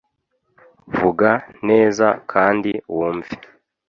Vuga neza kandi wumve